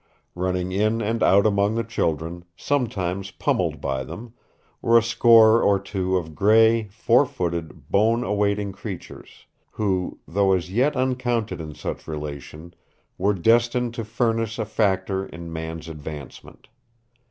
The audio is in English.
Running in and out among the children, sometimes pummeled by them, were a score or two of gray, four footed, bone awaiting creatures, who, though as yet uncounted in such relation, were destined to furnish a factor in man's advancement.